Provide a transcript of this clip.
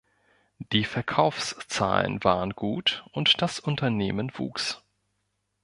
Die Verkaufszahlen waren gut und das Unternehmen wuchs.